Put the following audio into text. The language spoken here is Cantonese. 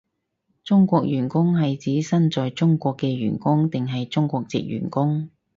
中國員工係指身在中國嘅員工定係中國藉員工？